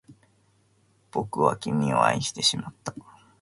僕は君を愛してしまった